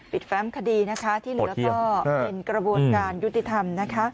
ปิดแฟ้มคดีที่เหลือต่อเป็นกระบวนการยุติธรรม